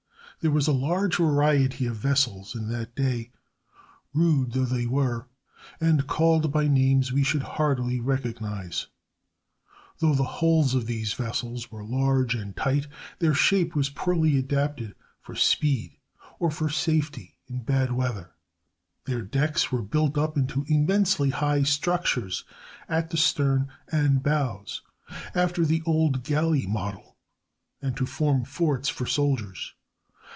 There was a large variety of vessels in that day, rude though they were, and called by names we should hardly recognize. Though the hulls of these vessels were large and tight, their shape was poorly adapted for speed or for safety in bad weather. Their decks were built up into immensely high structures at the stern and bows, after the old galley model, and to form forts for soldiers.